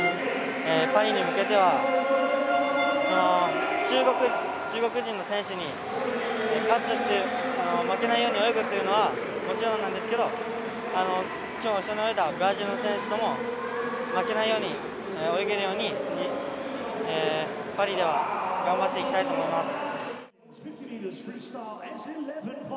パリに向けては中国人の選手に勝つ負けないように泳ぐっていうのはもちろんなんですけど今日も一緒に泳いだブラジルの選手とも負けないように泳げるようにパリでは頑張っていきたいと思います。